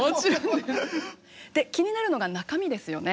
で気になるのが中身ですよね。